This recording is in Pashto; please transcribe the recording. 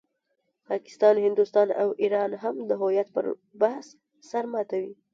پاکستان، هندوستان او ایران هم د هویت پر بحث سر ماتوي.